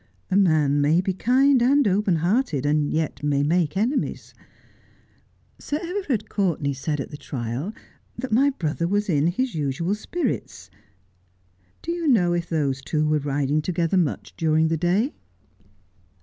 A man may be kind and open hearted, and yet may make enemies. Sir Everard Courtenay asid at the trial that my brother was in his usual spirits. Do 'I Must be Behind the Age: 101 you know if those two were riding together much during the day?'